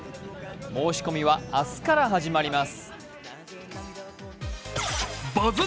申し込みは明日から始まります。